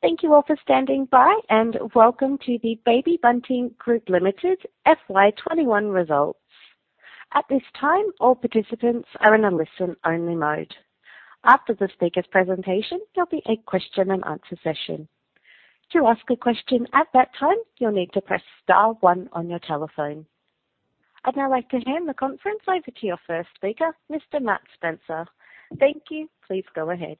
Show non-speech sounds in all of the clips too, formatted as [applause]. Thank you all for standing by, and welcome to the Baby Bunting Group Limited FY 2021 results. At this time, all participants are in a listen-only mode. After the speaker's presentation, there'll be a question and answer session. To ask a question at that time, you'll need to press star one on your telephone. I'd now like to hand the conference over to your first speaker, Mr. Matt Spencer. Thank you. Please go ahead.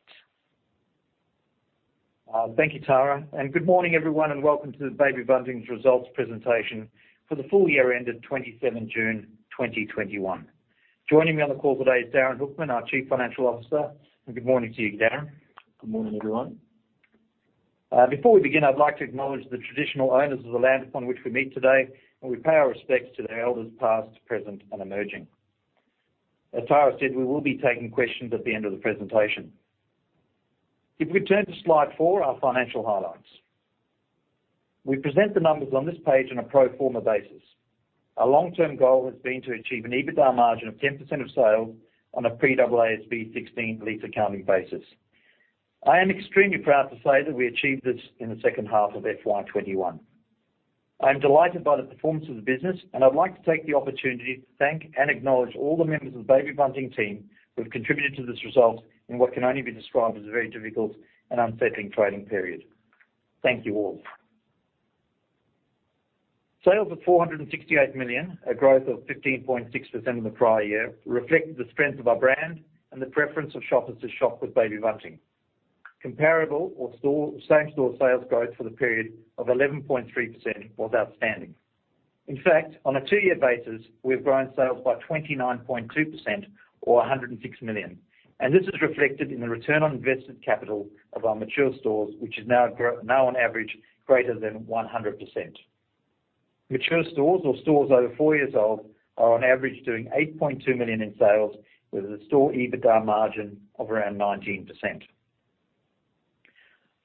Thank you, Tara, and good morning, everyone, and welcome to the Baby Bunting's results presentation for the full year ended 27 June 2021. Joining me on the call today is Darin Hoekman, our Chief Financial Officer. Good morning to you, Darin. Good morning, everyone. Before we begin, I'd like to acknowledge the traditional owners of the land upon which we meet today, and we pay our respects to their elders, past, present, and emerging. As Tara said, we will be taking questions at the end of the presentation. If we turn to slide four, our financial highlights. We present the numbers on this page on a pro forma basis. Our long-term goal has been to achieve an EBITDA margin of 10% of sales on a pre-AASB 16 lease accounting basis. I am extremely proud to say that we achieved this in the second half of FY 2021. I'm delighted by the performance of the business, and I'd like to take the opportunity to thank and acknowledge all the members of the Baby Bunting team who have contributed to this result in what can only be described as a very difficult and unsettling trading period. Thank you all. Sales of 468 million, a growth of 15.6% in the prior year, reflect the strength of our brand and the preference of shoppers to shop with Baby Bunting. Comparable or same-store sales growth for the period of 11.3% was outstanding. In fact, on a two-year basis, we have grown sales by 29.2%, or 106 million, and this is reflected in the return on invested capital of our mature stores, which is now on average greater than 100%. Mature stores or stores over four years old are on average doing 8.2 million in sales with a store EBITDA margin of around 19%.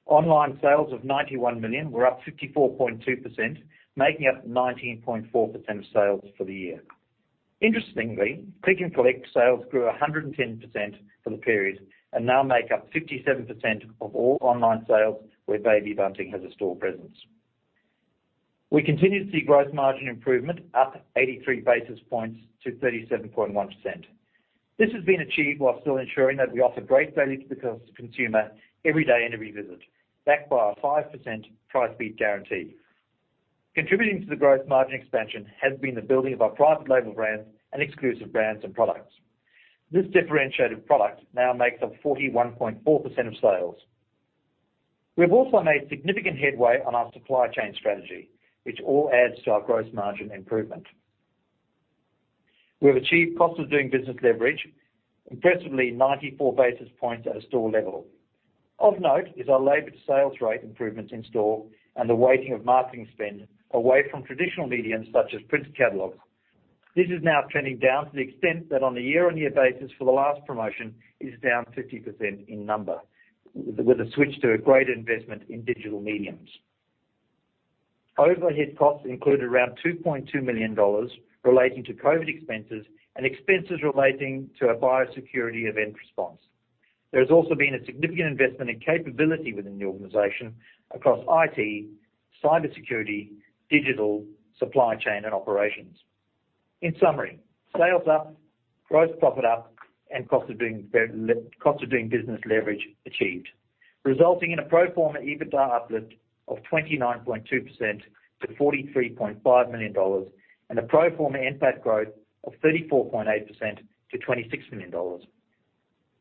Online sales of 91 million were up 54.2%, making up 19.4% of sales for the year. Interestingly, click and collect sales grew 110% for the period and now make up 57% of all online sales where Baby Bunting has a store presence. We continue to see gross margin improvement up 83 basis points to 37.1%. This has been achieved while still ensuring that we offer great value to the consumer every day and every visit, backed by our 5% price beat guarantee. Contributing to the gross margin expansion has been the building of our private label brands and exclusive brands and products. This differentiated product now makes up 41.4% of sales. We have also made significant headway on our supply chain strategy, which all adds to our gross margin improvement. We have achieved cost of doing business leverage, impressively 94 basis points at a store level. Of note is our labor to sales rate improvements in store and the weighting of marketing spend away from traditional mediums such as print catalogs. This is now trending down to the extent that on a year-on-year basis for the last promotion is down 50% in number, with a switch to a greater investment in digital mediums. Overhead costs included around 2.2 million dollars relating to COVID expenses and expenses relating to a biosecurity event response. There has also been a significant investment in capability within the organization across IT, cybersecurity, digital supply chain, and operations. In summary, sales up, gross profit up, and cost of doing business leverage achieved, resulting in a pro forma EBITDA uplift of 29.2% to 43.5 million dollars and a pro forma NPAT growth of 34.8% to 26 million dollars.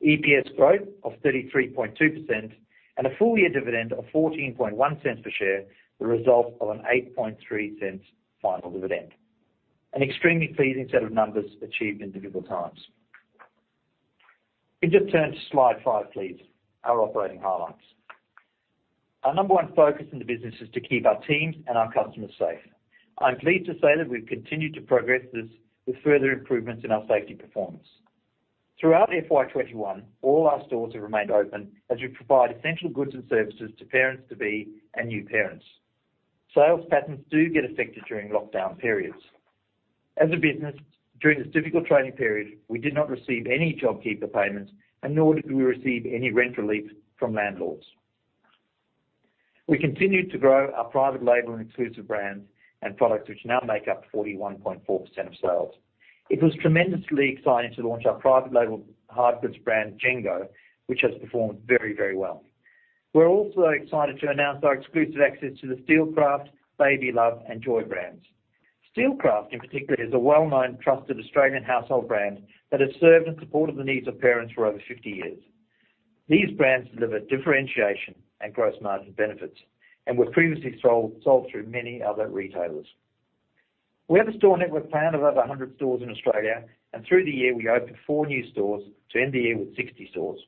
EPS growth of 33.2% and a full-year dividend of 0.141 per share, the result of an 0.083 final dividend. An extremely pleasing set of numbers achieved in difficult times. If we just turn to slide five, please. Our operating highlights. Our number one focus in the business is to keep our teams and our customers safe. I'm pleased to say that we've continued to progress this with further improvements in our safety performance. Throughout FY 2021, all our stores have remained open as we provide essential goods and services to parents-to-be and new parents. Sales patterns do get affected during lockdown periods. As a business, during this difficult trading period, we did not receive any JobKeeper payments and nor did we receive any rent relief from landlords. We continued to grow our private label and exclusive brands and products, which now make up 41.4% of sales. It was tremendously exciting to launch our private label hard goods brand, Jengo, which has performed very, very well. We're also excited to announce our exclusive access to the Steelcraft, BabyLove, and Joie brands. Steelcraft, in particular, is a well-known, trusted Australian household brand that has served and supported the needs of parents for over 50 years. These brands deliver differentiation and gross margin benefits and were previously sold through many other retailers. We have a store network plan of over 100 stores in Australia, and through the year, we opened four new stores to end the year with 60 stores.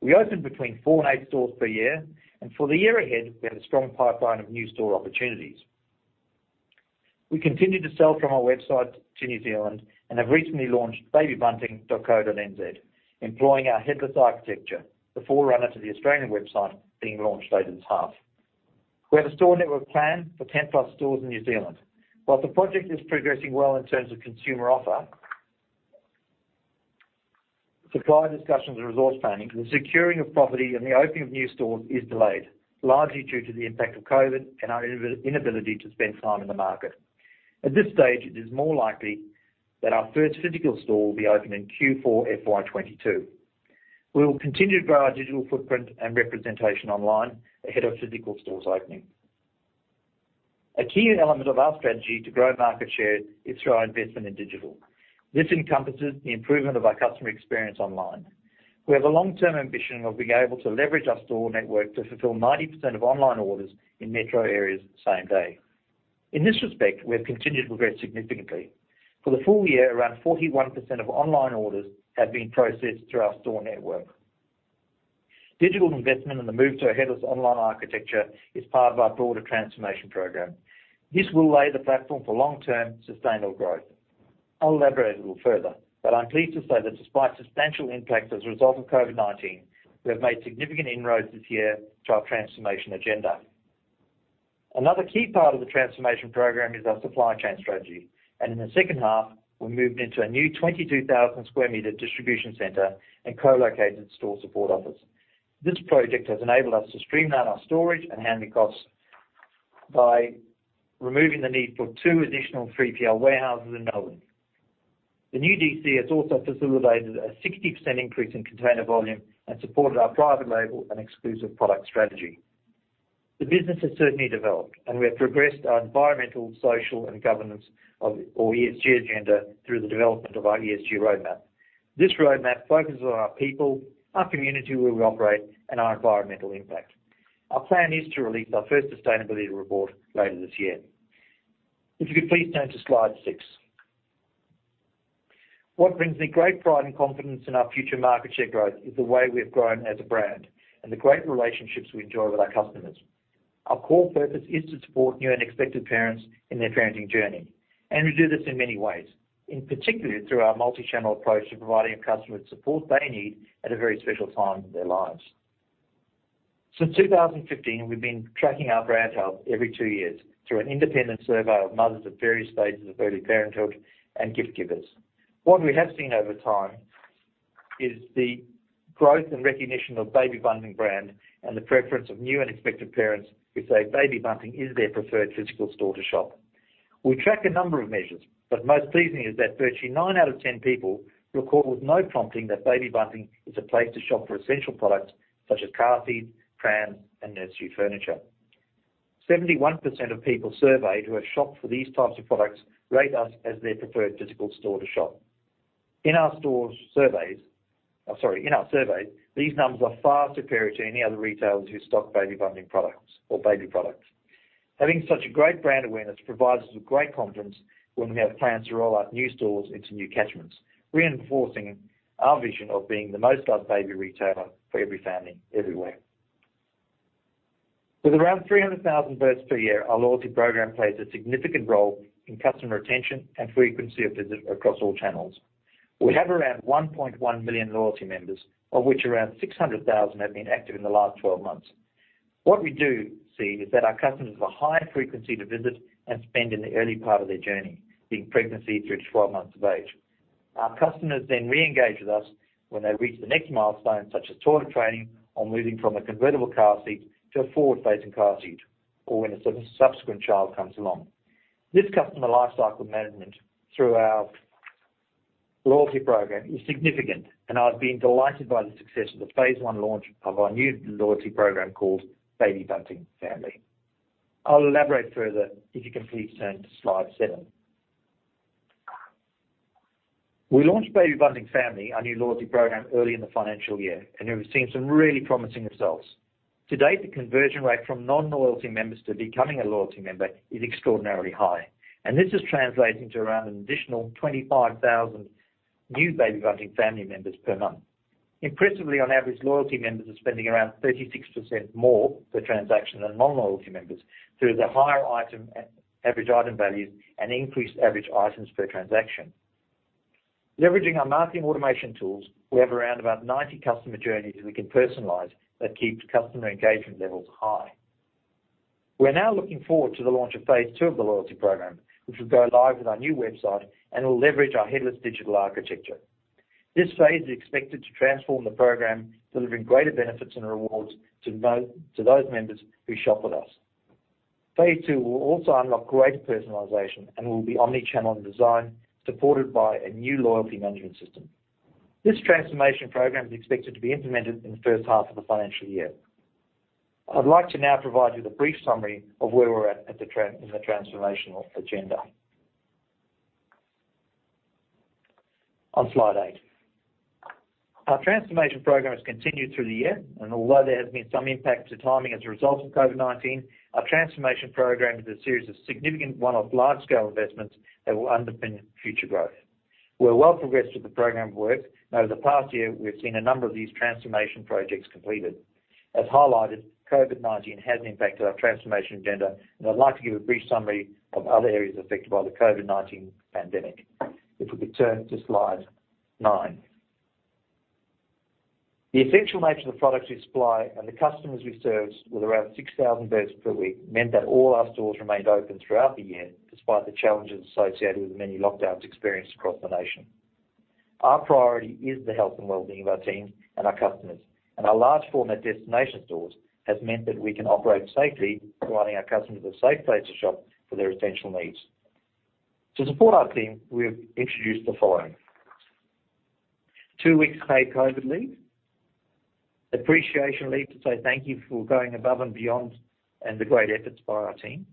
We open between four and eight stores per year, and for the year ahead, we have a strong pipeline of new store opportunities. We continue to sell from our website to New Zealand and have recently launched babybunting.co.nz, employing our headless architecture, the forerunner to the Australian website being launched later this half. We have a store network plan for 10 plus stores in New Zealand. While the project is progressing well in terms of consumer offer, supplier discussions and resource planning for the securing of property and the opening of new stores is delayed, largely due to the impact of COVID and our inability to spend time in the market. At this stage, it is more likely that our first physical store will be open in Q4 FY 2022. We will continue to grow our digital footprint and representation online ahead of physical stores opening. A key element of our strategy to grow market share is through our investment in digital. This encompasses the improvement of our customer experience online. We have a long-term ambition of being able to leverage our store network to fulfill 90% of online orders in metro areas same day. In this respect, we have continued to progress significantly. For the full year, around 41% of online orders have been processed through our store network. Digital investment and the move to a headless online architecture is part of our broader transformation program. This will lay the platform for long-term sustainable growth. I'll elaborate a little further, but I'm pleased to say that despite substantial impacts as a result of COVID-19, we have made significant inroads this year to our transformation agenda. Another key part of the transformation program is our supply chain strategy, and in the second half, we moved into a new 22,000 sq m distribution center and co-located store support office. This project has enabled us to streamline our storage and handling costs by removing the need for two additional 3PL warehouses in Melbourne. The new DC has also facilitated a 60% increase in container volume and supported our private label and exclusive product strategy. The business has certainly developed, and we have progressed our environmental, social, and governance or ESG agenda through the development of our ESG roadmap. This roadmap focuses on our people, our community where we operate, and our environmental impact. Our plan is to release our first sustainability report later this year. If you could please turn to slide six. What brings me great pride and confidence in our future market share growth is the way we've grown as a brand and the great relationships we enjoy with our customers. Our core purpose is to support new and expectant parents in their parenting journey, and we do this in many ways. In particular, through our multi-channel approach to providing our customers support they need at a very special time in their lives. Since 2015, we've been tracking our brand health every two years through an independent survey of mothers at various stages of early parenthood and gift-givers. What we have seen over time is the growth and recognition of Baby Bunting brand and the preference of new and expectant parents who say Baby Bunting is their preferred physical store to shop. We track a number of measures, but most pleasing is that virtually nine out of 10 people record with no prompting that Baby Bunting is a place to shop for essential products such as car seats, prams, and nursery furniture. 71% of people surveyed who have shopped for these types of products rate us as their preferred physical store to shop. In our surveys, these numbers are far superior to any other retailers who stock Baby Bunting products or baby products. Having such a great brand awareness provides us with great confidence when we have plans to roll out new stores into new catchments, reinforcing our vision of being the most loved baby retailer for every family, everywhere. With around 300,000 births per year, our loyalty program plays a significant role in customer retention and frequency of visit across all channels. We have around 1.1 million loyalty members, of which around 600,000 have been active in the last 12 months. What we do see is that our customers have a higher frequency to visit and spend in the early part of their journey, being pregnancy through to 12 months of age. Our customers then reengage with us when they reach the next milestone, such as toilet training or moving from a convertible car seat to a forward-facing car seat, or when a subsequent child comes along. This customer lifecycle management through our loyalty program is significant, and I've been delighted by the success of the Phase 1 launch of our new loyalty program called Baby Bunting Family. I'll elaborate further if you can please turn to slide seven. We launched Baby Bunting Family, our new loyalty program, early in the financial year, and we've seen some really promising results. To date, the conversion rate from non-loyalty members to becoming a loyalty member is extraordinarily high, and this is translating to around an additional 25,000 new Baby Bunting Family members per month. Impressively, on average, loyalty members are spending around 36% more per transaction than non-loyalty members through the higher average item values and increased average items per transaction. Leveraging our marketing automation tools, we have around about 90 customer journeys we can personalize that keeps customer engagement levels high. We're now looking forward to the launch of Phase 2 of the loyalty program, which will go live with our new website and will leverage our headless digital architecture. This phase is expected to transform the program, delivering greater benefits and rewards to those members who shop with us. Phase 2 will also unlock greater personalization and will be omni-channel in design, supported by a new loyalty management system. This transformation program is expected to be implemented in the first half of the financial year. I'd like to now provide you with a brief summary of where we're at in the transformational agenda. On slide eight. Our transformation program has continued through the year, and although there has been some impact to timing as a result of COVID-19, our transformation program is a series of significant one-off large-scale investments that will underpin future growth. We are well progressed with the program of work, and over the past year, we've seen a number of these transformation projects completed. As highlighted, COVID-19 has impacted our transformation agenda, and I'd like to give a brief summary of other areas affected by the COVID-19 pandemic. If we could turn to slide nine. The essential nature of the products we supply and the customers we service with around 6,000 births per week meant that all our stores remained open throughout the year, despite the challenges associated with the many lockdowns experienced across the nation. Our priority is the health and wellbeing of our team and our customers, and our large format destination stores has meant that we can operate safely, providing our customers a safe place to shop for their essential needs. To support our team, we have introduced the following: two weeks paid COVID Leave, Appreciation Leave to say thank you for going above and beyond and the great efforts by our team,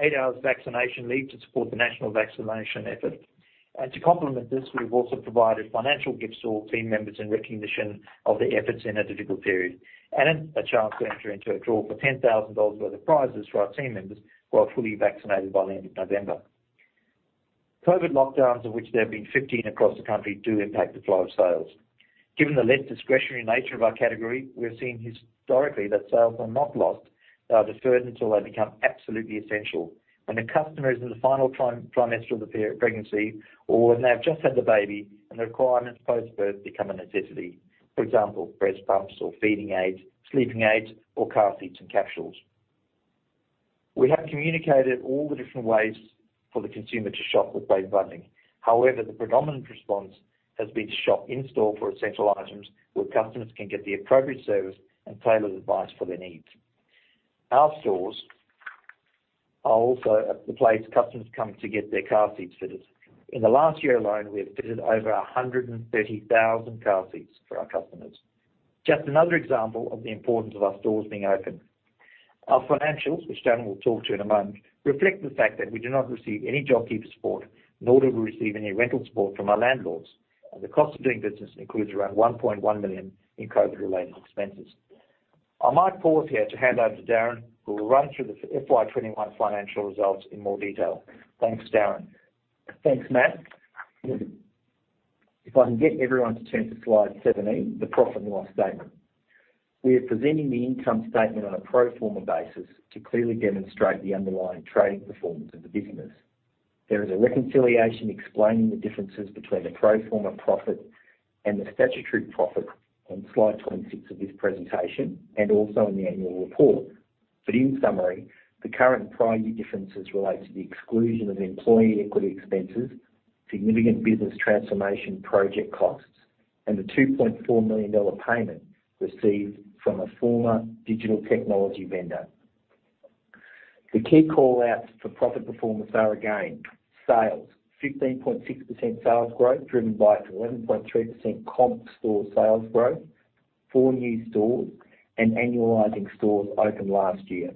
eight hours Vaccination Leave to support the national vaccination effort. To complement this, we've also provided financial gifts to all team members in recognition of their efforts in a difficult period, and a chance to enter into a draw for 10,000 dollars worth of prizes for our team members who are fully vaccinated by the end of November. COVID lockdowns, of which there have been 15 across the country, do impact the flow of sales. Given the less discretionary nature of our category, we are seeing historically that sales are not lost, they are deferred until they become absolutely essential. When a customer is in the final trimester of the pregnancy or when they have just had the baby and the requirements post-birth become a necessity. For example, breast pumps or feeding aids, sleeping aids or car seats and capsules. We have communicated all the different ways for the consumer to shop with Baby Bunting. However, the predominant response has been to shop in-store for essential items where customers can get the appropriate service and tailored advice for their needs. Our stores are also the place customers come to get their car seats fitted. In the last year alone, we have fitted over 130,000 car seats for our customers. Just another example of the importance of our stores being open. Our financials, which Darin will talk to in a moment, reflect the fact that we do not receive any JobKeeper support, nor do we receive any rental support from our landlords, and the cost of doing business includes around 1.1 million in COVID-related expenses. I might pause here to hand over to Darin, who will run through the FY 2021 financial results in more detail. Thanks, Darin. Thanks, Matt. If I can get everyone to turn to slide 17, the profit and loss statement. We are presenting the income statement on a pro forma basis to clearly demonstrate the underlying trading performance of the business. There is a reconciliation explaining the differences between the pro forma profit and the statutory profit on slide 26 of this presentation, and also in the annual report. In summary, the current prior year differences relate to the exclusion of employee equity expenses, significant business transformation project costs, and the 2.4 million dollar payment received from a former digital technology vendor. The key call-outs for profit performance are again, sales, 15.6% sales growth driven by 11.3% comp store sales growth, four new stores and annualizing stores opened last year.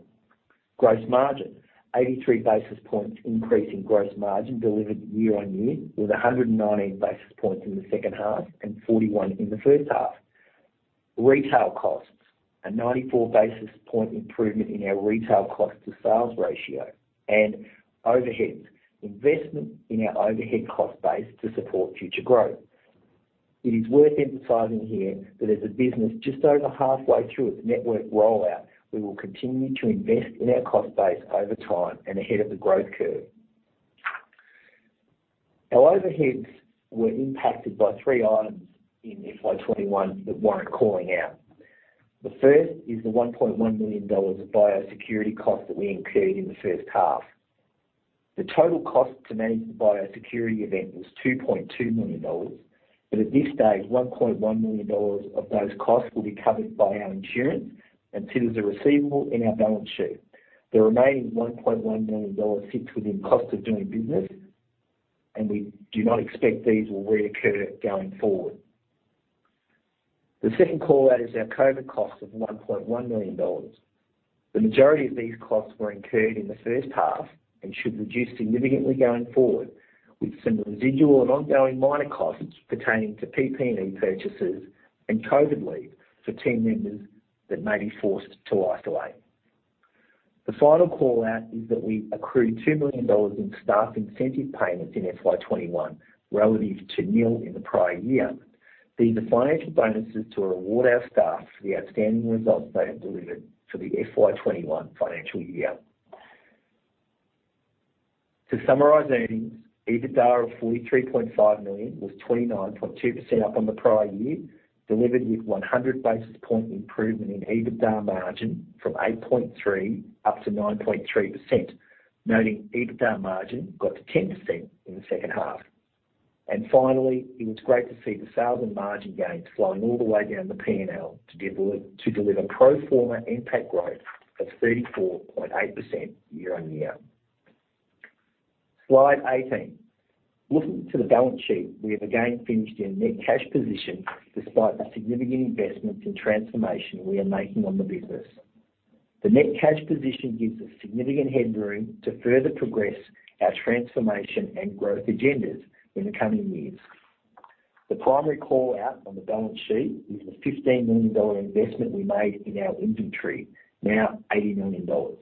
Gross margin, 83 basis points increase in gross margin delivered year-on-year with 119 basis points in the second half and 41 in the first half. Retail costs, a 94 basis point improvement in our retail cost to sales ratio and overheads. Investment in our overhead cost base to support future growth. It is worth emphasizing here that as a business just over halfway through its network rollout, we will continue to invest in our cost base over time and ahead of the growth curve. Our overheads were impacted by three items in FY 2021 that warrant calling out. The first is the 1.1 million dollars of biosecurity costs that we incurred in the first half. The total cost to manage the biosecurity event was 2.2 million dollars, but at this stage, 1.1 million dollars of those costs will be covered by our insurance and sit as a receivable in our balance sheet. The remaining 1.1 million dollars sits within cost of doing business, and we do not expect these will reoccur going forward. The second call-out is our COVID cost of 1.1 million dollars. The majority of these costs were incurred in the first half and should reduce significantly going forward with some residual and ongoing minor costs pertaining to PPE purchases and COVID leave for team members that may be forced to isolate. The final call-out is that we accrued 2 million dollars in staff incentive payments in FY 2021 relative to nil in the prior year. These are financial bonuses to reward our staff for the outstanding results they have delivered for the FY 2021 financial year. To summarize earnings, EBITDA of 43.5 million dollar was 29.2% up on the prior year, delivered with 100 basis point improvement in EBITDA margin from 8.3% up to 9.3%, noting EBITDA margin got to 10% in the second half. Finally, it was great to see the sales and margin gains flowing all the way down the P&L to deliver pro forma NPAT growth of 34.8% year-on-year. Slide 18. Looking to the balance sheet, we have again finished in net cash position despite the significant investments and transformation we are making on the business. The net cash position gives us significant headroom to further progress our transformation and growth agendas in the coming years. The primary call-out on the balance sheet is the 15 million dollar investment we made in our inventory, now 80 million dollars.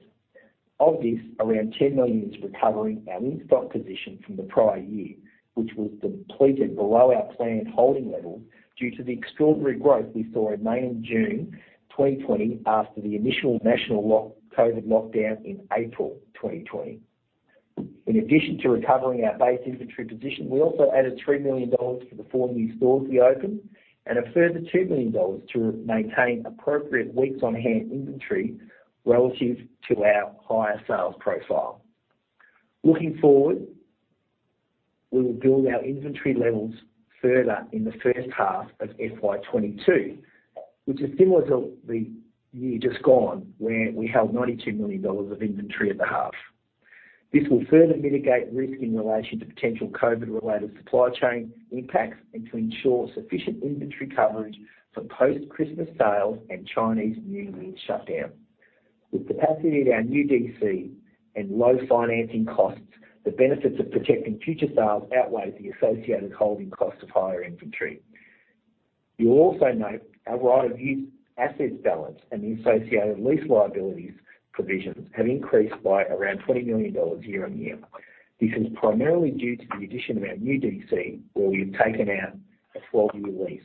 Of this, around 10 million is recovering our in-stock position from the prior year, which was depleted below our planned holding level due to the extraordinary growth we saw in May and June 2020 after the initial national COVID lockdown in April 2020. In addition to recovering our base inventory position, we also added 3 million dollars for the four new stores we opened and a further 2 million dollars to maintain appropriate weeks on hand inventory relative to our higher sales profile. Looking forward, we will build our inventory levels further in the first half of FY 2022, which is similar to the year just gone, where we held 92 million dollars of inventory at the half. This will further mitigate risk in relation to potential COVID-related supply chain impacts and to ensure sufficient inventory coverage for post-Christmas sales and Chinese New Year shutdown. With capacity at our new DC and low financing costs, the benefits of protecting future sales outweigh the associated holding costs of higher inventory. You will also note our right of use assets balance and the associated lease liabilities provisions have increased by around 20 million dollars year-on-year. This is primarily due to the addition of our new DC, where we've taken out a 12-year lease.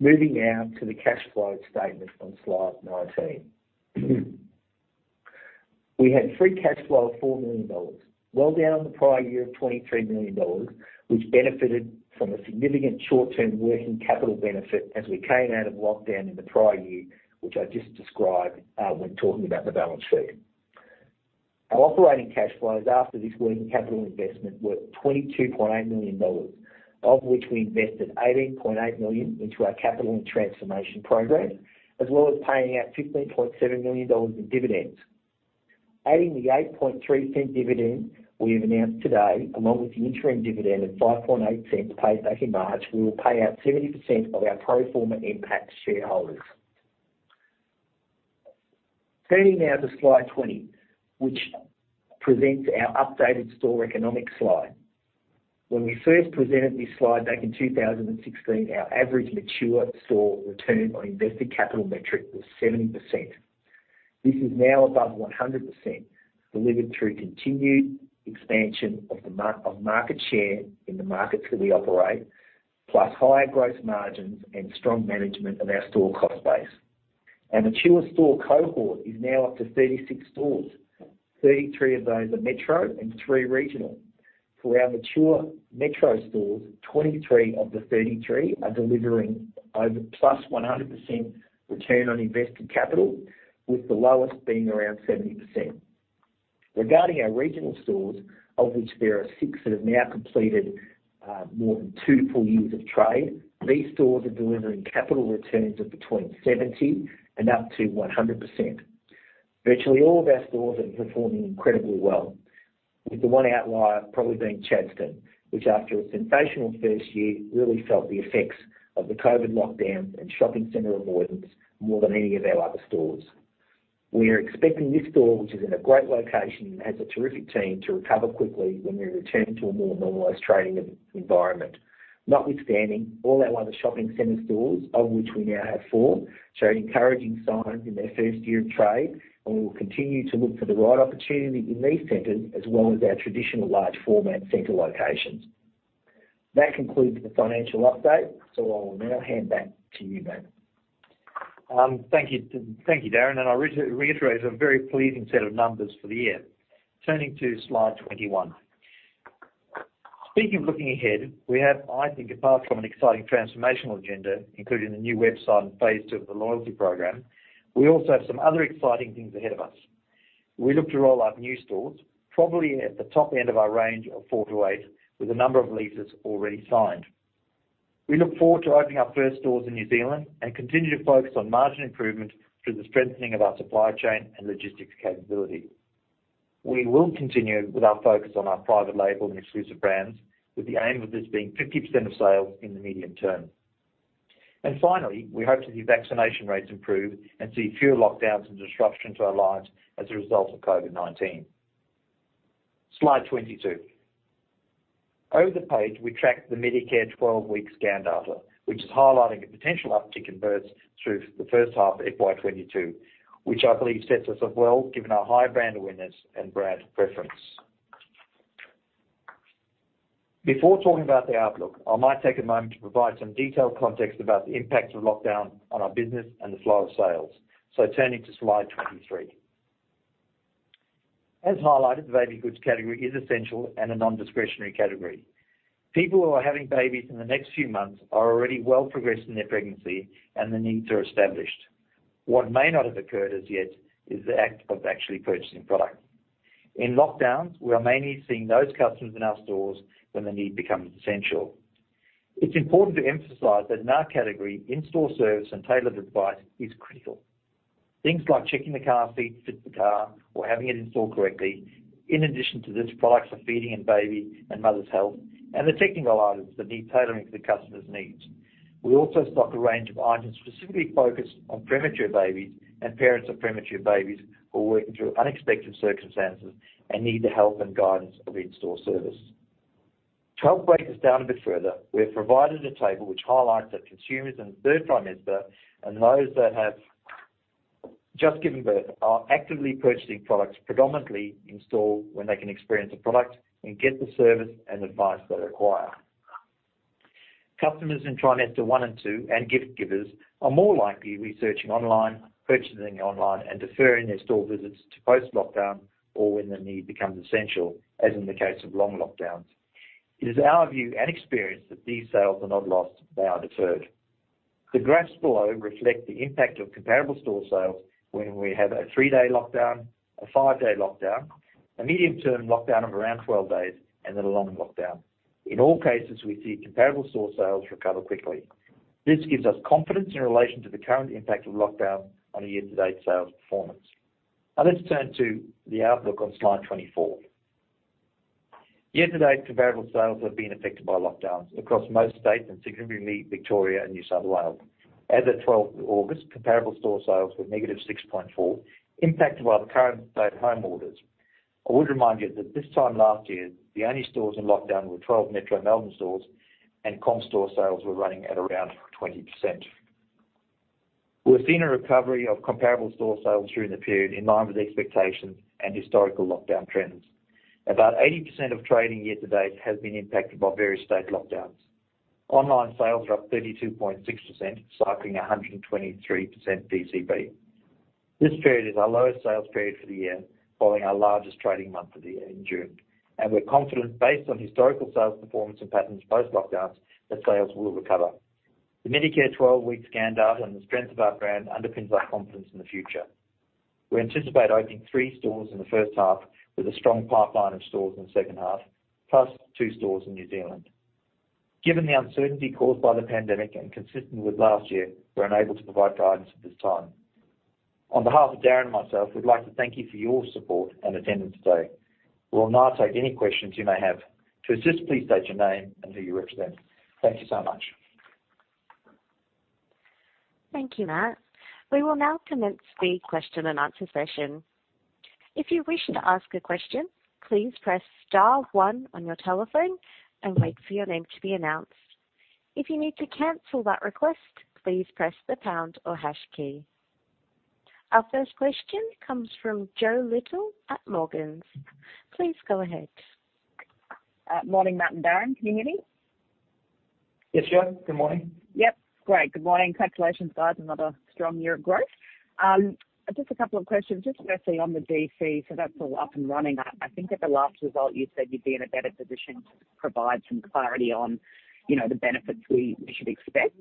Moving now to the cash flow statement on slide 19. We had free cash flow of 4 million dollars, well down on the prior year of 23 million dollars, which benefited from a significant short-term working capital benefit as we came out of lockdown in the prior year, which I just described when talking about the balance sheet. Our operating cash flows after this working capital investment were 22.8 million dollars, of which we invested 18.8 million into our capital and transformation program, as well as paying out 15.7 million dollars in dividends. Adding the 0.083 dividend we have announced today, along with the interim dividend of 0.058 paid back in March, we will pay out 70% of our pro forma EPS to shareholders. Turning now to slide 20, which presents our updated store economic slide. When we first presented this slide back in 2016, our average mature store return on invested capital metric was 70%. This is now above 100%, delivered through continued expansion of market share in the markets that we operate, plus higher gross margins and strong management of our store cost base. Our mature store cohort is now up to 36 stores. 33 of those are metro and three regional. For our mature metro stores, 23 of the 33 are delivering over +100% return on invested capital, with the lowest being around 70%. Regarding our regional stores, of which there are six that have now completed more than two full years of trade, these stores are delivering capital returns of between 70% and up to 100%. Virtually all of our stores are performing incredibly well, with the one outlier probably being Chadstone, which after a sensational first year, really felt the effects of the COVID lockdown and shopping center avoidance more than any of our other stores. We are expecting this store, which is in a great location and has a terrific team, to recover quickly when we return to a more normalized trading environment. Notwithstanding, all our other shopping center stores, of which we now have four, show encouraging signs in their first year of trade, and we will continue to look for the right opportunity in these centers as well as our traditional large format center locations. That concludes the financial update. I will now hand back to you, [Ben]. Thank you, Darin, I reiterate, a very pleasing set of numbers for the year. Turning to slide 21. Speaking of looking ahead, we have, I think, apart from an exciting transformational agenda, including the new website and Phase 2 of the loyalty program, we also have some other exciting things ahead of us. We look to roll out new stores, probably at the top end of our range of four to eight, with a number of leases already signed. We look forward to opening our first stores in New Zealand and continue to focus on margin improvement through the strengthening of our supply chain and logistics capability. We will continue with our focus on our private label and exclusive brands, with the aim of this being 50% of sales in the medium term. Finally, we hope to see vaccination rates improve and see fewer lockdowns and disruption to our lives as a result of COVID-19. Slide 22. Over the page, we track the Medicare 12-week scan data, which is highlighting a potential uptick in births through the first half of FY 2022, which I believe sets us up well given our high brand awareness and brand preference. Before talking about the outlook, I might take a moment to provide some detailed context about the impact of lockdown on our business and the flow of sales. Turning to slide 23. As highlighted, the baby goods category is essential and a non-discretionary category. People who are having babies in the next few months are already well progressed in their pregnancy and the needs are established. What may not have occurred as yet is the act of actually purchasing product. In lockdowns, we are mainly seeing those customers in our stores when the need becomes essential. It's important to emphasize that in our category, in-store service and tailored advice is critical. Things like checking the car seat fits the car or having it installed correctly. In addition to this, products for feeding and baby and mother's health, and the technical items that need tailoring to the customer's needs. We also stock a range of items specifically focused on premature babies and parents of premature babies who are working through unexpected circumstances and need the help and guidance of in-store service. To help break this down a bit further, we have provided a table which highlights that consumers in third trimester and those that have just given birth are actively purchasing products predominantly in-store when they can experience a product and get the service and advice they require. Customers in trimester one and two and gift givers are more likely researching online, purchasing online, and deferring their store visits to post-lockdown or when the need becomes essential, as in the case of long lockdowns. It is our view and experience that these sales are not lost, they are deferred. The graphs below reflect the impact of comparable store sales when we have a three-day lockdown, a five-day lockdown, a medium-term lockdown of around 12 days, and then a long lockdown. In all cases, we see comparable store sales recover quickly. This gives us confidence in relation to the current impact of lockdown on a year-to-date sales performance. Now let's turn to the outlook on slide 24. Year-to-date comparable sales have been affected by lockdowns across most states and significantly Victoria and New South Wales. As at 12th of August, comparable store sales were -6.4%, impacted by the current state home orders. I would remind you that this time last year, the only stores in lockdown were 12 metro Melbourne stores and comp store sales were running at around 20%. We've seen a recovery of comparable store sales during the period in line with expectations and historical lockdown trends. About 80% of trading year-to-date has been impacted by various state lockdowns. Online sales are up 32.6%, cycling 123% PCP. This period is our lowest sales period for the year, following our largest trading month of the year in June, and we're confident based on historical sales performance and patterns post-lockdowns that sales will recover. The Medicare 12-week scan data and the strength of our brand underpins our confidence in the future. We anticipate opening three stores in the first half with a strong pipeline of stores in the second half, plus two stores in New Zealand. Given the uncertainty caused by the pandemic and consistent with last year, we're unable to provide guidance at this time. On behalf of Darin and myself, we'd like to thank you for your support and attendance today. We will now take any questions you may have. To assist, please state your name and who you represent. Thank you so much. Thank you, Matt. We will now commence the question and answer session. If you wish to ask a question, please press star one on your telephone and wait for your name to be announced. If you need to cancel that request, please press the pound or hash key. Our first question comes from Jo Little at Morgans. Please go ahead. Morning, Matt and Darin. Can you hear me? Yes, Jo. Good morning. Yep. Great. Good morning. Congratulations, guys. Another strong year of growth. Just a couple of questions. Just firstly on the DC, so that's all up and running. I think at the last result you said you'd be in a better position to provide some clarity on the benefits we should expect.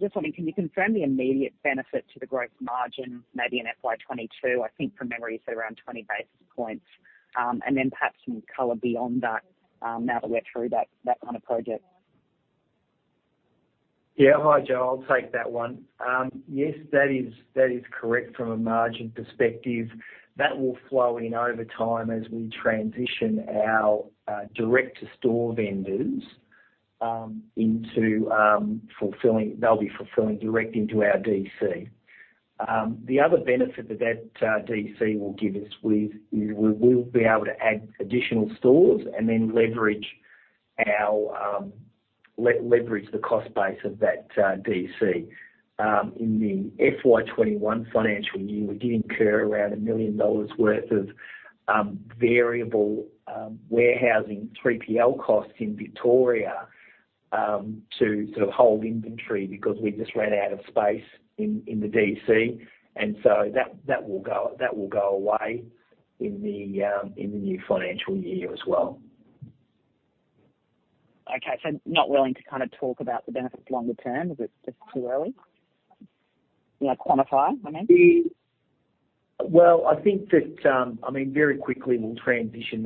Just wondering, can you confirm the immediate benefit to the gross margin, maybe in FY 2022? I think from memory it's around 20 basis points. Perhaps some color beyond that, now that we're through that kind of project. Hi, Jo. I'll take that one. That is correct from a margin perspective. That will flow in over time as we transition our direct-to-store vendors. They'll be fulfilling direct into our DC. The other benefit that that DC will give us is we will be able to add additional stores and then leverage the cost base of that DC. In the FY 2021 financial year, we did incur around 1 million dollars worth of variable warehousing 3PL costs in Victoria to sort of hold inventory because we just ran out of space in the DC, that will go away in the new financial year as well. Okay. Not willing to kind of talk about the benefits longer term? Is it just too early? You know, quantify, I mean. Well, I think that, I mean, very quickly we'll transition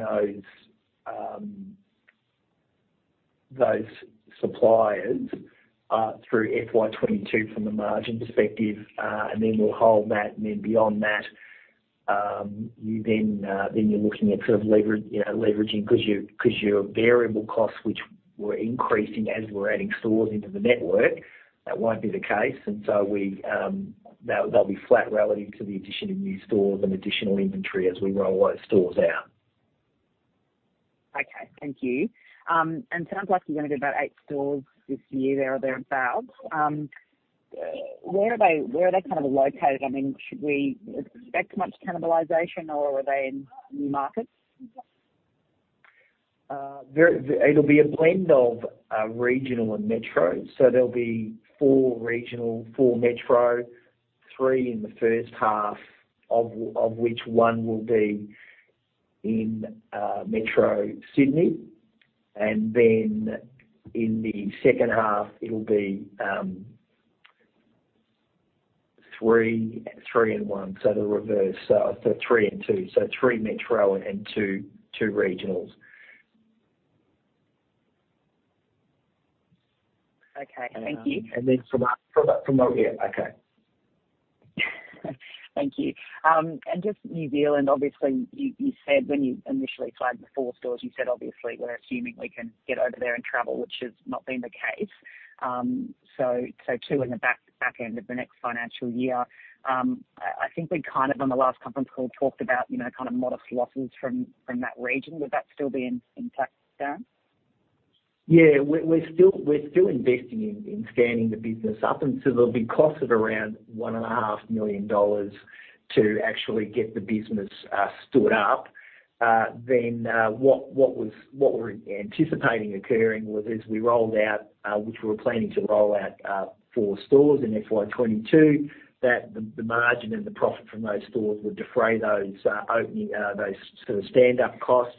those suppliers through FY 2022 from a margin perspective, and then we'll hold that, and then beyond that, then you're looking at sort of leveraging because your variable costs, which were increasing as we're adding stores into the network, that won't be the case. They'll be flat relative to the addition of new stores and additional inventory as we roll those stores out. Okay. Thank you. Sounds like you're gonna do about eight stores this year there, or thereabouts. Where are they kind of located? I mean, should we expect much cannibalization or are they in new markets? It'll be a blend of regional and metro. There'll be four regional, four metro, three in the first half, of which one will be in metro Sydney, and then in the second half it'll be three and one. The reverse. Three and two. Three metro and two regionals. Okay. Thank you. Yeah. Okay. Thank you. Just New Zealand, obviously, you said when you initially flagged the four stores, you said obviously we are assuming we can get over there and travel, which has not been the case. Two in the back end of the next financial year. I think we kind of on the last conference call talked about kind of modest losses from that region. Would that still be intact, Darin? Yeah. We're still investing in standing the business up, and so there'll be costs of around 1.5 million dollars to actually get the business stood up. What we're anticipating occurring was as we rolled out, which we were planning to roll out four stores in FY 2022, that the margin and the profit from those stores would defray those opening, those sort of standup costs.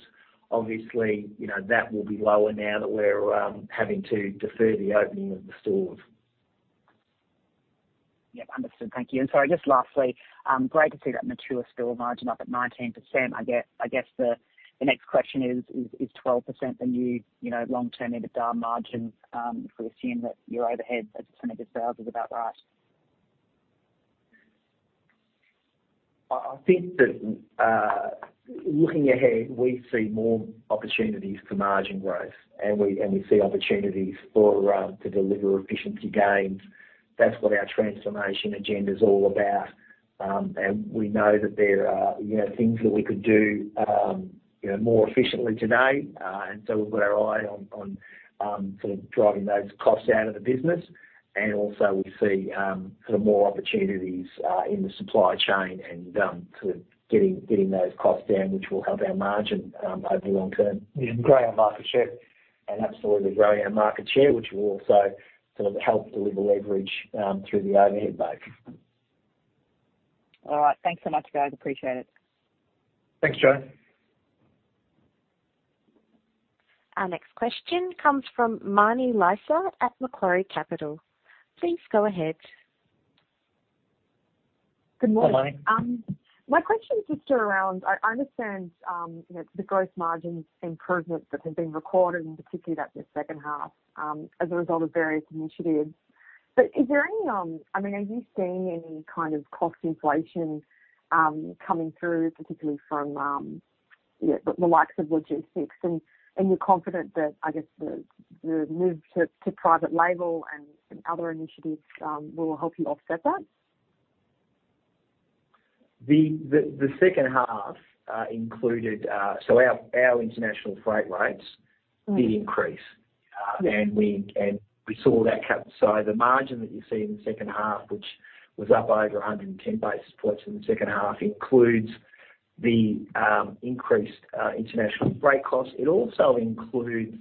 Obviously, that will be lower now that we're having to defer the opening of the stores. Yep, understood. Thank you. Sorry, just lastly, great to see that mature store margin up at 19%. I guess the next question is 12% the new long-term EBITDA margin, if we assume that your overhead as [audio distortion] sales is about right? I think that looking ahead, we see more opportunities for margin growth, and we see opportunities to deliver efficiency gains. That's what our transformation agenda's all about. We know that there are things that we could do more efficiently today. We've got our eye on sort of driving those costs out of the business. Also we see sort of more opportunities in the supply chain and sort of getting those costs down, which will help our margin over the long term. Grow our market share. Absolutely growing our market share, which will also sort of help deliver leverage through the overhead base. All right. Thanks so much, guys. Appreciate it. Thanks, Jo. Our next question comes from Marni Lysaght at Macquarie Capital. Please go ahead. Good morning. Hi, Marni. My question is just around, I understand the gross margin improvements that have been recorded, and particularly that in the second half as a result of various initiatives. Are you seeing any kind of cost inflation coming through, particularly from the likes of logistics? You're confident that, I guess, the move to private label and other initiatives will help you offset that? The second half included, our international freight rates did increase. We saw that cap. The margin that you see in the second half, which was up over 110 basis points in the second half, includes the increased international freight costs. It also includes.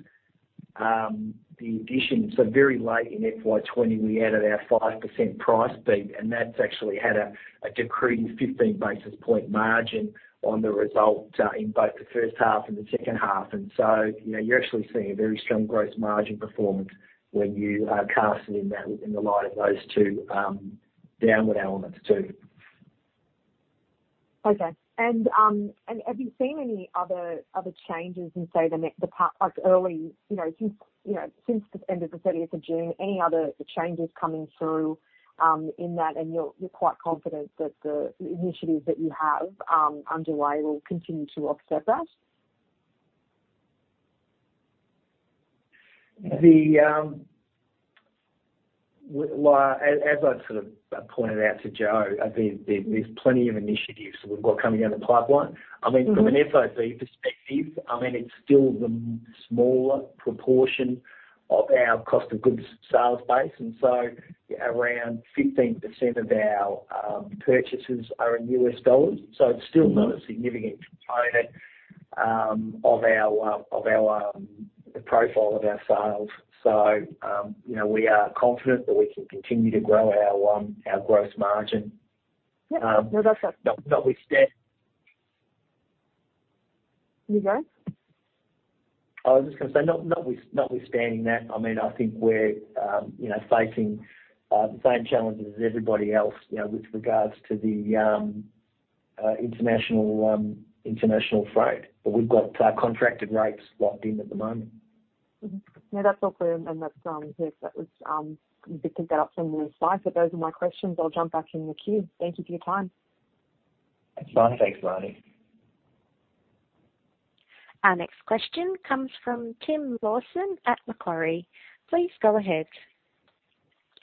Very late in FY 2020, we added our 5% price beat, and that's actually had a decreasing 15 basis point margin on the result in both the first half and the second half. You're actually seeing a very strong gross margin performance when you are casting in that in the light of those two downward elements, too. Okay. Have you seen any other changes in, say, since the end of the 30th of June, any other changes coming through in that and you're quite confident that the initiatives that you have underway will continue to offset that? As I sort of pointed out to Jo, there's plenty of initiatives that we've got coming down the pipeline. From an FOB perspective, it's still the smaller proportion of our cost of goods sales base, and so around 15% of our purchases are in U.S. dollar. It's still not a significant component of the profile of our sales. We are confident that we can continue to grow our gross margin. Yeah. No. Not withstand- There you go. I was just going to say notwithstanding that, I think we're facing the same challenges as everybody else with regards to the international freight. We've got contracted rates locked in at the moment. No, that's all clear. That's, yes. We could pick that up from the slide. Those are my questions. I'll jump back in the queue. Thank you for your time. Thanks, Marni. Our next question comes from Tim Lawson at Macquarie. Please go ahead.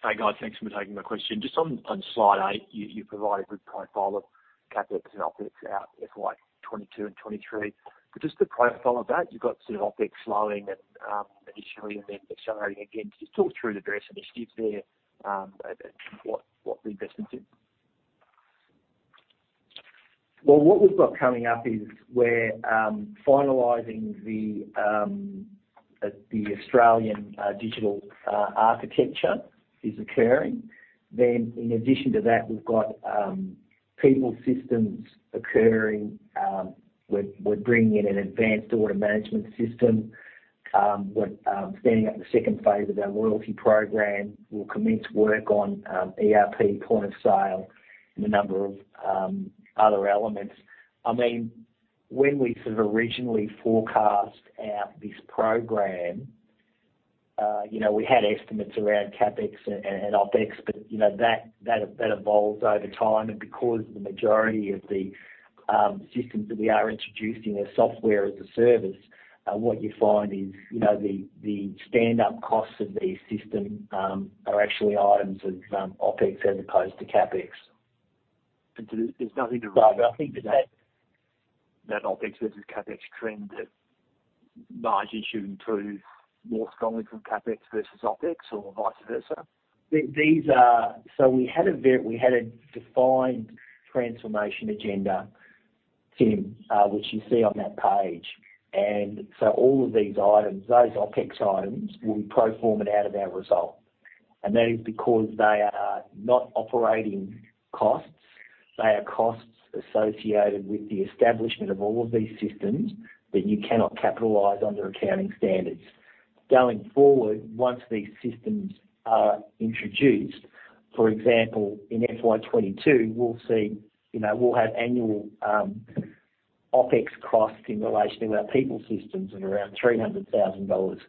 Hi, guys. Thanks for taking my question. Just on slide eight, you provide a good profile of CapEx and OpEx out FY 2022 and 2023. Just the profile of that, you've got sort of OpEx slowing initially and then accelerating again. Can you just talk through the various initiatives there, and what the investment is? Well, what we've got coming up is we're finalizing the Australian digital architecture is occurring. In addition to that, we've got people systems occurring. We're bringing in an advanced order management system. We're standing up the second phase of our loyalty program. We'll commence work on ERP point of sale and a number of other elements. When we sort of originally forecast out this program, we had estimates around CapEx and OpEx, but that evolves over time. Because the majority of the systems that we are introducing are software as a service, what you find is the standup costs of these systems are actually items of OpEx as opposed to CapEx. And there's nothing to- No, I think. That OpEx versus CapEx trend that Margin should improve more strongly from CapEx versus OpEx or vice versa? We had a defined transformation agenda, Tim, which you see on that page. All of these items, those OpEx items, we pro forma'd out of our result. That is because they are not operating costs. They are costs associated with the establishment of all of these systems that you cannot capitalize under accounting standards. Going forward, once these systems are introduced, for example, in FY 2022, we'll have annual OpEx costs in relation to our people systems of around 300,000 dollars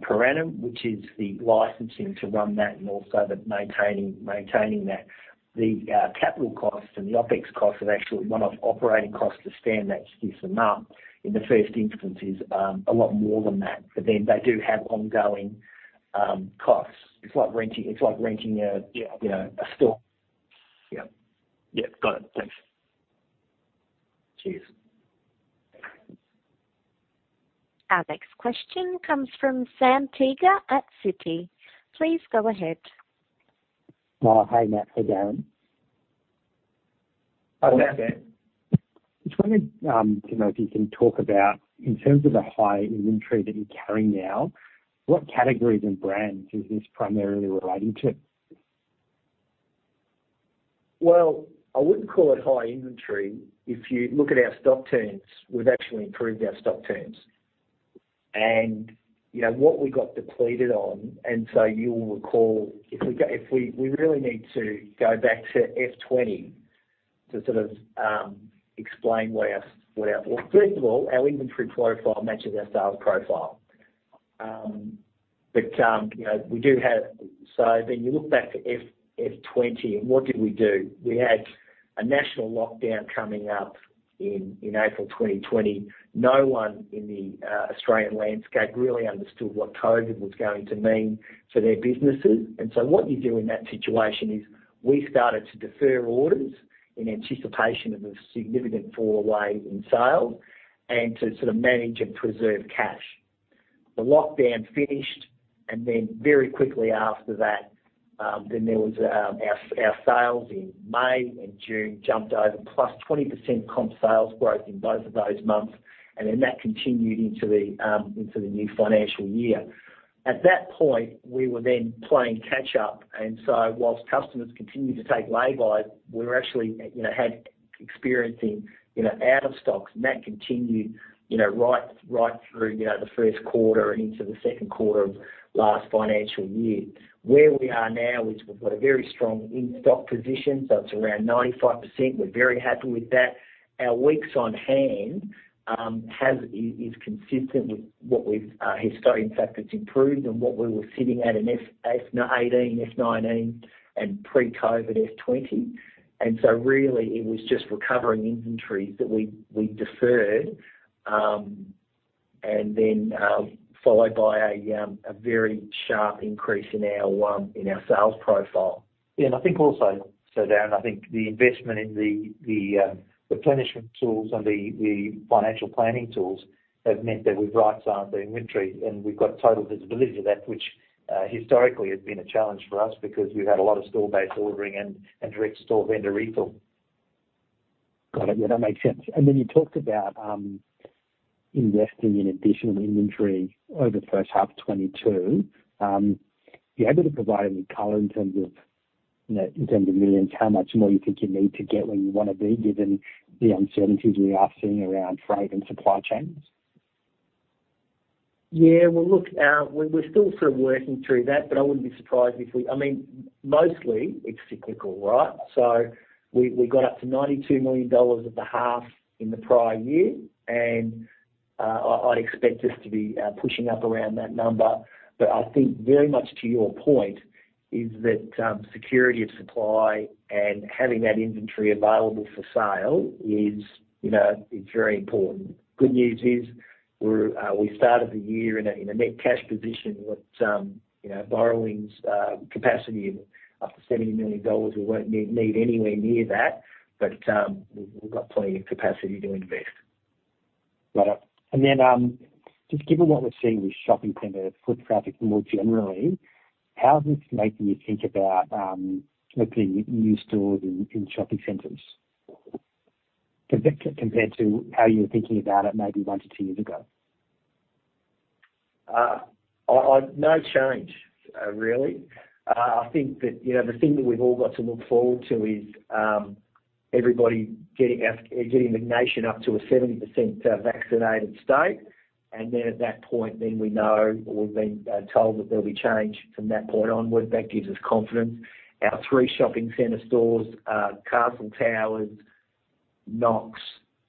per annum, which is the licensing to run that and also maintaining that. The capital costs and the OpEx costs are actually one-off operating costs to stand that system up in the first instance is a lot more than that. They do have ongoing costs. It's like renting a store. Yeah. Yeah. Got it. Thanks. Cheers. Our next question comes from Sam Teeger at Citi. Please go ahead. Hi, Matt. Hey, Darin. Hi, Sam. Just wondering if you can talk about in terms of the high inventory that you carry now, what categories and brands is this primarily relating to? I wouldn't call it high inventory. If you look at our stock turns, we've actually improved our stock turns. What we got depleted on, you'll recall, we really need to go back to FY 2020 to sort of explain. First of all, our inventory profile matches our sales profile. You look back to FY 2020 and what did we do? We had a national lockdown coming up in April 2020. No one in the Australian landscape really understood what COVID was going to mean for their businesses. What you do in that situation is we started to defer orders in anticipation of a significant fall away in sales and to sort of manage and preserve cash. The lockdown finished, and then very quickly after that, then our sales in May and June jumped over, +20% comp sales growth in both of those months, and then that continued into the new financial year. At that point, we were then playing catch up, and so whilst customers continued to take lay-bys, we were actually experiencing out of stocks, and that continued right through the first quarter and into the second quarter of last financial year. Where we are now is we've got a very strong in-stock position, so it's around 95%. We're very happy with that. Our weeks on hand is consistent with what we've historically. In fact, it's improved on what we were sitting at in FY 2018, FY 2019, and pre-COVID FY 2020. Really it was just recovering inventories that we deferred, and then followed by a very sharp increase in our sales profile. I think also, Darin, I think the investment in the replenishment tools and the financial planning tools have meant that we right-size the inventory, and we've got total visibility of that, which historically has been a challenge for us because we've had a lot of store-based ordering and direct store vendor refill. Got it. That makes sense. You talked about investing in additional inventory over the first half 2022. Are you able to provide any color in terms of millions, how much more you think you need to get where you want to be given the uncertainties we are seeing around freight and supply chains? Well, look, we're still sort of working through that, but I wouldn't be surprised. I mean, mostly it's cyclical, right? We got up to 92 million dollars at the half in the prior year, and I'd expect us to be pushing up around that number. I think very much to your point is that security of supply and having that inventory available for sale is very important. Good news is we started the year in a net cash position with borrowings capacity of up to 70 million dollars. We won't need anywhere near that, but we've got plenty of capacity to invest. Got it. Just given what we're seeing with shopping center foot traffic more generally, how is this making you think about opening new stores in shopping centers compared to how you were thinking about it maybe one to two years ago? No change, really. I think that the thing that we've all got to look forward to is everybody getting the nation up to a 70% vaccinated state. At that point, then we know or we've been told that there'll be change from that point onward. That gives us confidence. Our three shopping center stores, Castle Towers, Knox,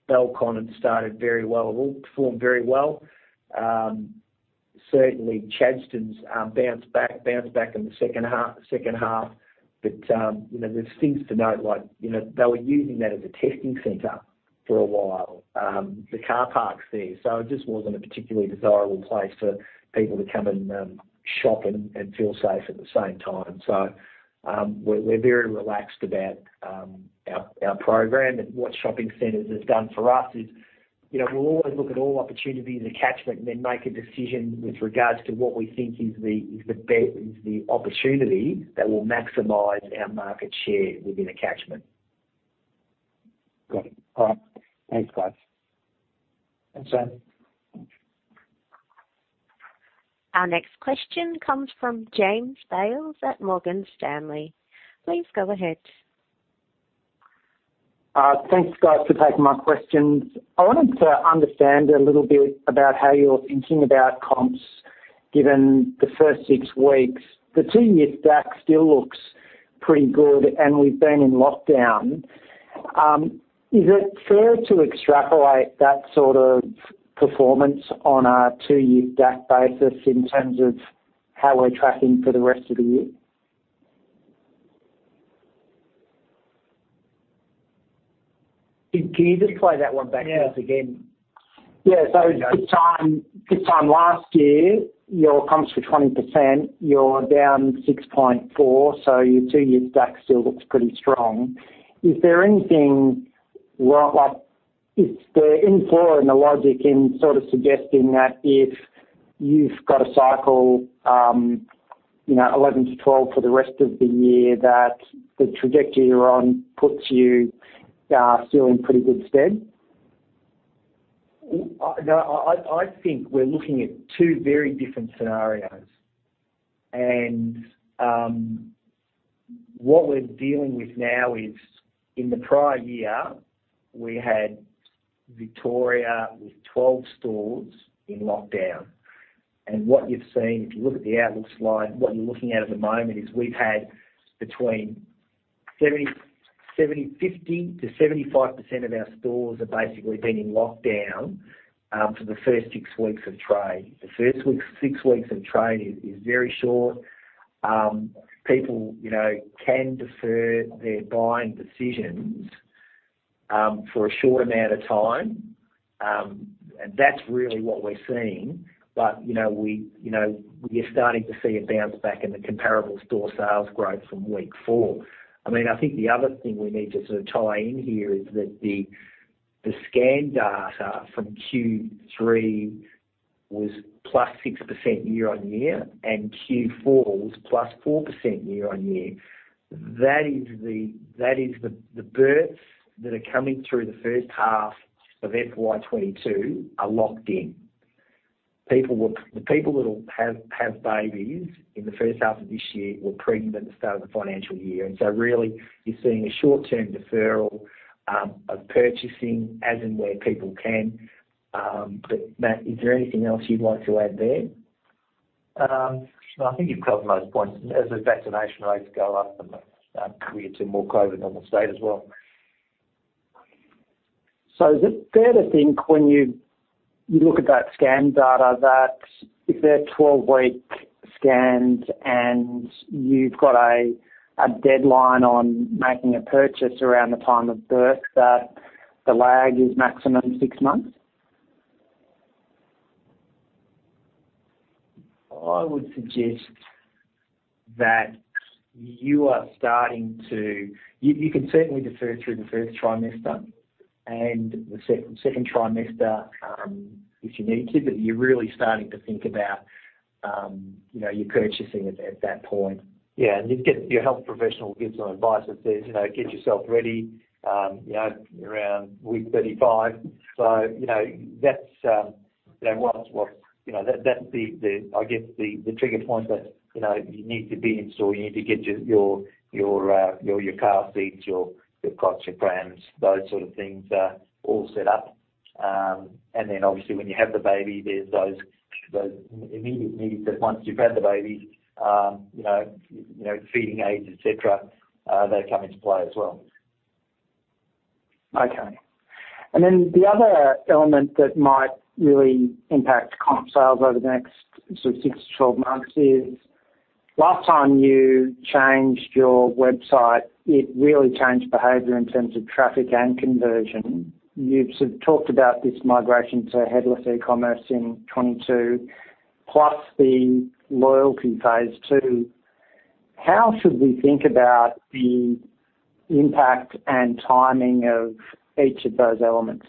Belconnen started very well, have all performed very well. Certainly Chadstone's bounced back in the second half. There's things to note like they were using that as a testing center for a while, the car parks there. It just wasn't a particularly desirable place for people to come and shop and feel safe at the same time. We're very relaxed about our program and what shopping centers have done for us is, we'll always look at all opportunities and catchment and then make a decision with regards to what we think is the opportunity that will maximize our market share within a catchment. Got it. All right. Thanks, guys. Thanks, Sam. Our next question comes from James Bales at Morgan Stanley. Please go ahead. Thanks, guys, for taking my questions. I wanted to understand a little bit about how you're thinking about comps given the first six weeks. The two-year stack still looks pretty good and we've been in lockdown. Is it fair to extrapolate that sort of performance on a two-year stack basis in terms of how we're tracking for the rest of the year? Can you just play that one back to us again? Yeah. This time last year, your comps were 20%, you're down 6.4%, so your two-year stack still looks pretty strong. Is there any flaw in the logic in sort of suggesting that if you've got a cycle, 11%-12% for the rest of the year, that the trajectory you're on puts you still in pretty good stead? I think we're looking at two very different scenarios. What we're dealing with now is in the prior year, we had Victoria with 12 stores in lockdown. What you've seen, if you look at the outlook slide, what you're looking at at the moment is we've had between 50%-75% of our stores have basically been in lockdown for the first six weeks of trade. The first six weeks of trade is very short. People can defer their buying decisions for a short amount of time. That's really what we're seeing. We're starting to see a bounce back in the comparable store sales growth from week four. I think the other thing we need to sort of tie in here is that the scan data from Q3 was +6% year-on-year, and Q4 was +4% year-on-year. That is the births that are coming through the first half of FY 2022 are locked in. The people that'll have babies in the first half of this year were pregnant at the start of the financial year. Really you're seeing a short-term deferral of purchasing as and where people can. Matt, is there anything else you'd like to add there? No, I think you've covered most points. As the vaccination rates go up and that creates a more COVID normal state as well. Is it fair to think when you look at that scan data, that if they're 12-week scans and you've got a deadline on making a purchase around the time of birth, that the lag is maximum six months? I would suggest that you can certainly defer through the first trimester and the second trimester, if you need to, but you're really starting to think about your purchasing at that point. Your health professional will give some advice that says, "Get yourself ready around week 35." That's the trigger point that you need to be in store. You need to get your car seats, your cots, your prams, those sort of things all set up. Then obviously when you have the baby, there's those immediate needs that once you've had the baby, feeding aids, et cetera, they come into play as well. Okay. The other element that might really impact comp sales over the next six to 12 months is last time you changed your website, it really changed behavior in terms of traffic and conversion. You've sort of talked about this migration to headless e-commerce in 2022, plus the loyalty phase too. How should we think about the impact and timing of each of those elements?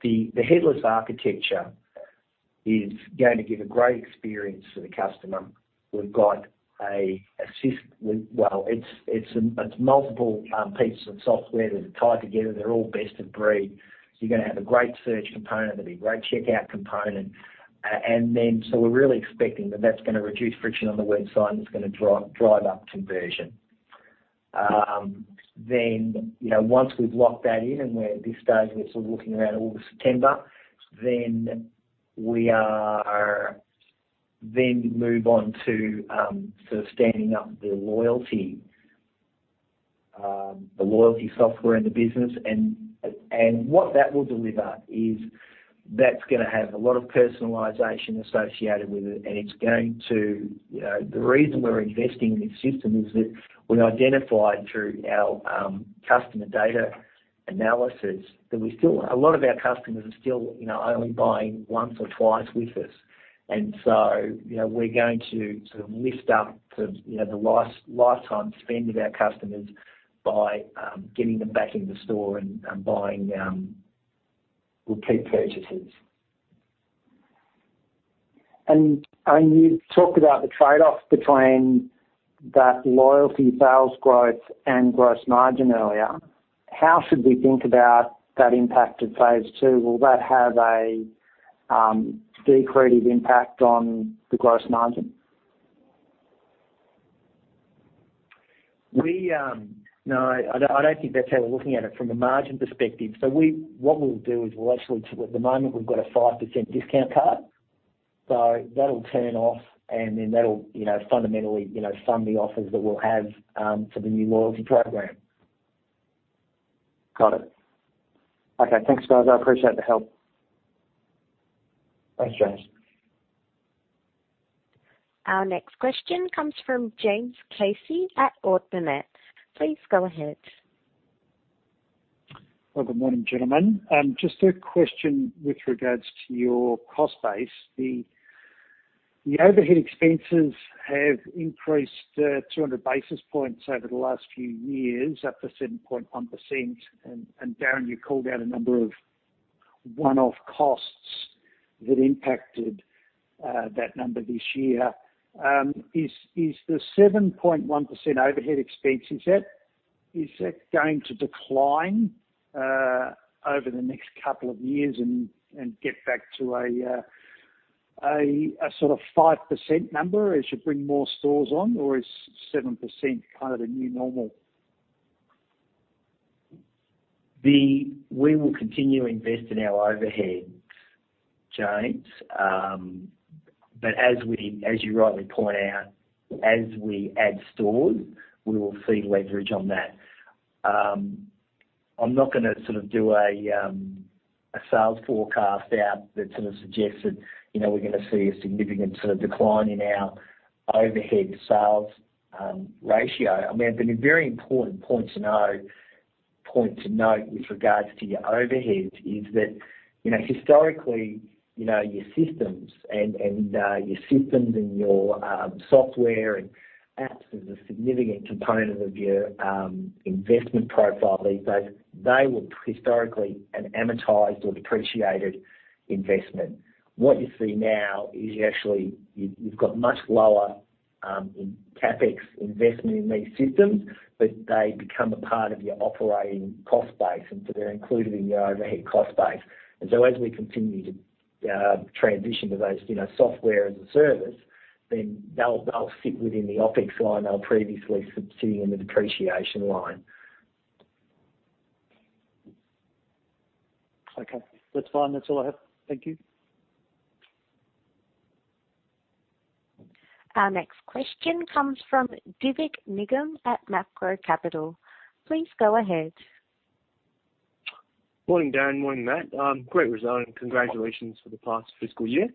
The headless architecture is going to give a great experience to the customer. It's multiple pieces of software that are tied together. They're all best of breed. You're going to have a great search component, there'll be great checkout component. We're really expecting that that's going to reduce friction on the website and it's going to drive up conversion. Once we've locked that in and at this stage we're sort of looking around August, September, then we move on to sort of standing up the loyalty software in the business. What that will do with that is, that's going to have a lot of personalization associated with it, it's going to the reason we're investing in this system is that we identified through our customer data analysis that a lot of our customers are still only buying once or twice with us. We're going to sort of lift up the lifetime spend of our customers by getting them back in the store and buying repeat purchases. You talked about the trade-off between that loyalty sales growth and gross margin earlier. How should we think about that impact of Phase 2? Will that have a decorative impact on the gross margin? No, I don't think that's how we're looking at it from a margin perspective. What we'll do is we'll at the moment, we've got a 5% discount card. That'll turn off and then that'll fundamentally fund the offers that we'll have for the new loyalty program. Got it. Okay. Thanks, guys. I appreciate the help. Thanks, James. Our next question comes from James Casey at Ord Minnett. Please go ahead. Well, good morning, gentlemen. Just a question with regards to your cost base. The overhead expenses have increased 200 basis points over the last few years, up to 7.1%, and Darin, you called out a number of one-off costs that impacted that number this year. Is the 7.1% overhead expense, is that going to decline over the next couple of years and get back to a sort of 5% number as you bring more stores on, or is 7% kind of the new normal? We will continue to invest in our overheads, James. As you rightly point out, as we add stores, we will see leverage on that. I'm not going to sort of do a sales forecast out that sort of suggests that we're going to see a significant sort of decline in our overhead sales ratio. I mean, a very important point to note with regards to your overheads is that, historically, your systems and your software and apps as a significant component of your investment profile these days, they were historically an amortized or depreciated investment. What you see now is you've got much lower CapEx investment in these systems, but they become a part of your operating cost base, and so they're included in your overhead cost base. As we continue to transition to those software as a service, then they'll sit within the OpEx line they were previously sitting in the depreciation line. Okay. That's fine. That's all I have. Thank you. Our next question comes from Divik Nigam at Macquarie Capital. Please go ahead. Morning, Darin. Morning, Matt. Great result, congratulations for the past fiscal year.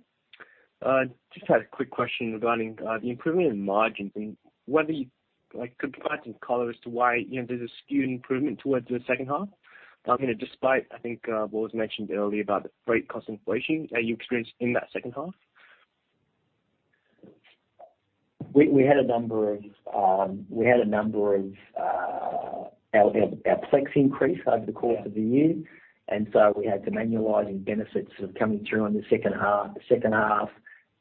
Just had a quick question regarding the improvement in margins and whether you could provide some color as to why there's a skewed improvement towards the second half. I mean, despite I think what was mentioned earlier about the freight cost inflation that you experienced in that second half. We had a number, our flex increase over the course of the year, and so we had de-annualizing benefits sort of coming through on the second half.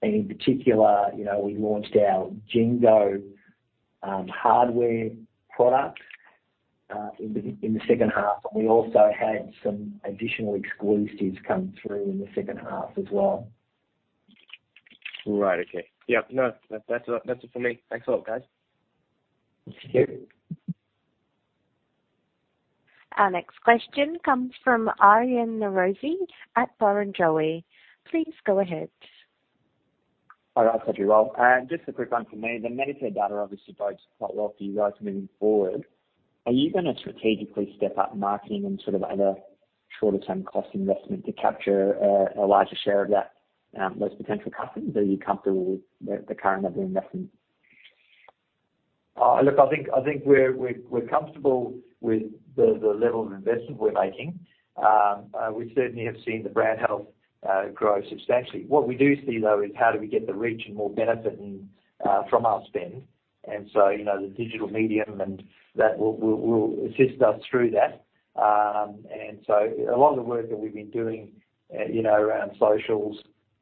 In particular, we launched our Jengo hardware product in the second half, and we also had some additional exclusives come through in the second half as well. Right. Okay. Yep. No, that's it for me. Thanks a lot, guys. Thank you. Our next question comes from Aryan Norozi at Barrenjoey. Please go ahead. All right. Thank you all. Just a quick one from me. The Medicare data obviously bodes quite well for you guys moving forward. Are you going to strategically step up marketing and sort of other shorter-term cost investment to capture a larger share of those potential customers? Are you comfortable with the current level of investment? Look, I think we're comfortable with the level of investment we're making. We certainly have seen the brand health grow substantially. What we do see, though, is how do we get the reach and more benefit from our spend. The digital medium and that will assist us through that. A lot of the work that we've been doing around socials,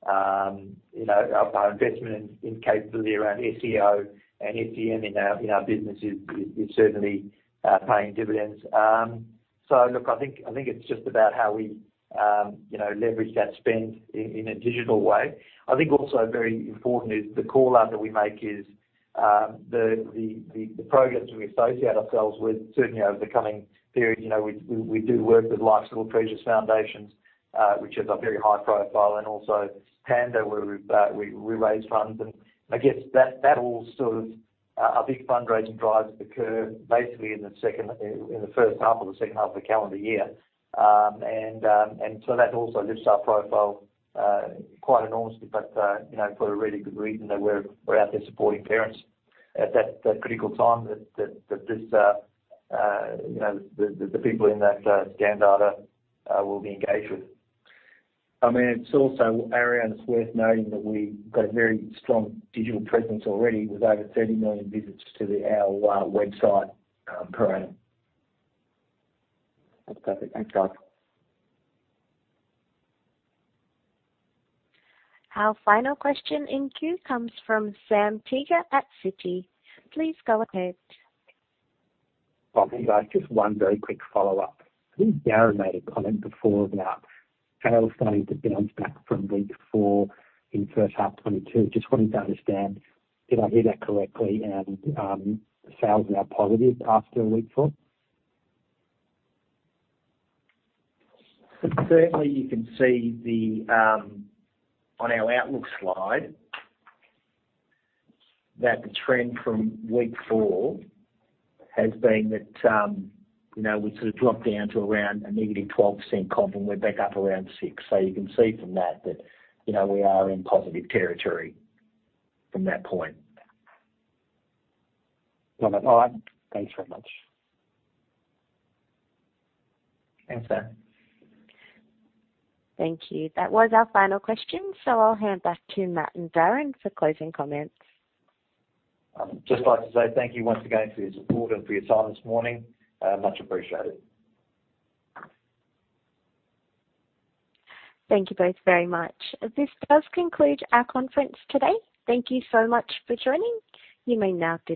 our investment in capability around SEO and SEM in our business is certainly paying dividends. Look, I think it's just about how we leverage that spend in a digital way. I think also very important is the call-out that we make is the programs we associate ourselves with, certainly over the coming period. We do work with Life's Little Treasures Foundation, which is a very high profile, and also PANDA, where we raise funds. I guess that all sort of our big fundraising drives occur basically in the first half or the second half of the calendar year. That also lifts our profile quite enormously. For a really good reason that we're out there supporting parents at that critical time that the people in that scan data will be engaged with. It's also worth noting that we've got a very strong digital presence already with over 30 million visits to our website per annum. That's perfect. Thanks, guys. Our final question in queue comes from Sam Teeger at Citi. Please go ahead. Hi, guys. Just one very quick follow-up. I think Darin made a comment before about sales starting to bounce back from week four in first half FY 2022. Just wanted to understand, did I hear that correctly? Sales are now positive after week four? Certainly, you can see on our outlook slide that the trend from week four has been that we sort of dropped down to around a -12% comp and went back up around 6%. You can see from that we are in positive territory from that point. Now, that's all. Thanks very much. Thanks, Sam. Thank you. That was our final question, so I'll hand back to Matt and Darin for closing comments. Just like to say thank you once again for your support and for your time this morning. Much appreciated. Thank you both very much. This does conclude our conference today. Thank you so much for joining. You may now disconnect.